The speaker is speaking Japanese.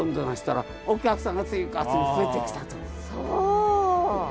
そう！